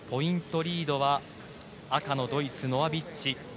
リードは赤のドイツのノア・ビッチ。